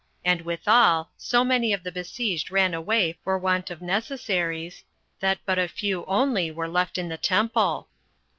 And withal, so many of the besieged ran away for want of necessaries, that but a few only were left in the temple.